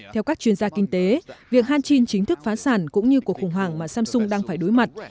theo các chuyên gia kinh tế việc hanchin chính thức phá sản cũng như cuộc khủng hoảng mà samsung đang phải đối mặt